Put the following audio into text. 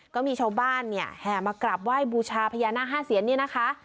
ก็มีชาวบ้านเนี่ยแห่มากราบไหว้บูชาพญานาค๕เซียนเนี่ยนะคะ